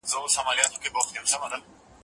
زه انځور ليدلی دی،